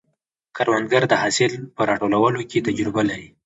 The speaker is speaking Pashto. کروندګر د حاصل په راټولولو کې تجربه لري